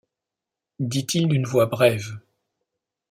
dit-il d’une voix brève.